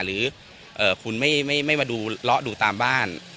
หรือคุณไม่มาดูเลาะดูตามบ้าน